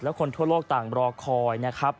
และคนทั่วโลกต่างก็ร้องคอยนะครับ